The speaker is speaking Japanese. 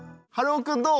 おくんどう？